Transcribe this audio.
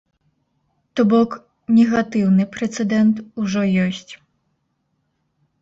То бок, негатыўны прэцэдэнт ужо ёсць.